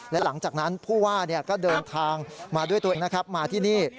และหลังจากนั้นผู้ว่าก็เดินทางมาด้วยตัวเองนะครับมาที่นี่